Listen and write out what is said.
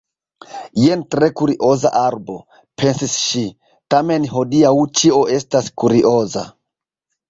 "Jen tre kurioza arbo," pensis ŝi. "Tamen hodiaŭ ĉio estas kurioza.